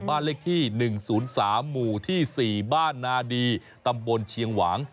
บ้านเลขที่๑๐๓หมู่ที่๔บ้านนาดีตำบลเชียงหวาง